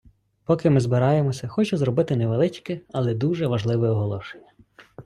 Поки ми збираємося, хочу зробити невеличке, але дуже важливе оголошення.